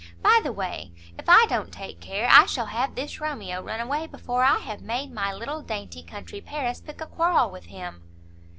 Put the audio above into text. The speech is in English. By the way, if I don't take care, I shall have this Romeo run away before I have made my little dainty country Paris pick a quarrel with him."